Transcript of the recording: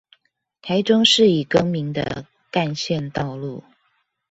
台中市已更名的幹線道路